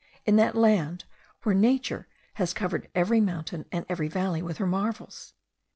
in that land where nature has covered every mountain and every valley with her marvels?